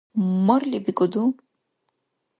Марли бикӀуду?